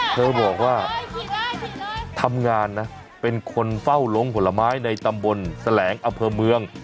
เธอบอกว่าทำงานนะเป็นคนเฝ้าลงผลไม้ในตำบลแสลงอำเภอเมือง